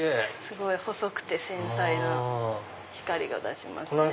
すごい細くて繊細な光が出せますね。